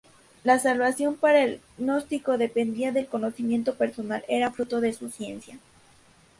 La salvación para el gnóstico dependía del conocimiento personal, era fruto de su ciencia.